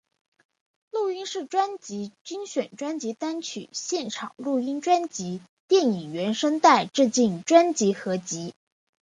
录音室专辑精选专辑单曲现场录音专辑电影原声带致敬专辑合辑